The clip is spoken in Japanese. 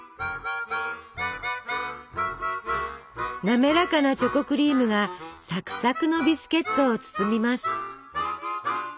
滑らかなチョコクリームがサクサクのビスケットを包みます。